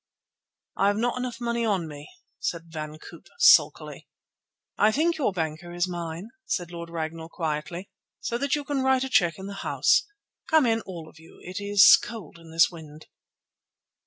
"I have not enough money on me," said Van Koop sulkily. "I think your banker is mine," said Lord Ragnall quietly, "so you can write a cheque in the house. Come in, all of you, it is cold in this wind."